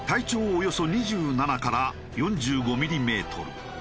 およそ２７から４５ミリメートル。